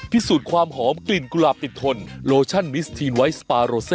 พิสูจน์ความหอมกลิ่นกุหลาบติดทนโลชั่นมิสทีนไวท์สปาโรเซ